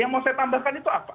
yang mau saya tambahkan itu apa